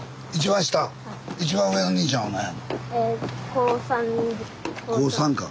高３か。